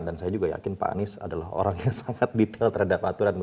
dan saya juga yakin pak anies adalah orang yang sangat detail terhadap aturan